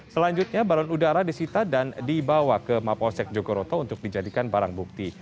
selanjutnya balon udara disita dan dibawa ke maposek jogoroto untuk dijadikan barang bukti